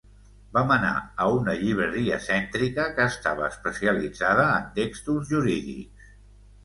Vam anar a una llibreria cèntrica que estava especialitzada en textos jurídics.